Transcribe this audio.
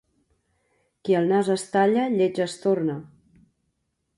Qui el nas es talla lleig es torna.